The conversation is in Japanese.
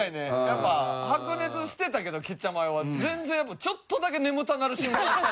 やっぱ白熱してたけどケチャマヨは全然やっぱちょっとだけ眠たなる瞬間あったもん。